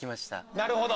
なるほど。